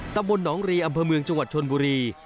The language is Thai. ตำบลหนองรีอำเภอเมืองจังหวัดชนบุรี